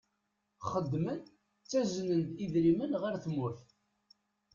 Xeddmen, ttaznen-d idrimen ɣer tmurt.